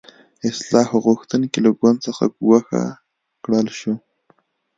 اصلاح غوښتونکي له ګوند څخه ګوښه کړل شو.